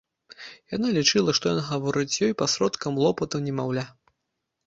Яна лічыла, што ён гаворыць з ёй пасродкам лопату немаўля.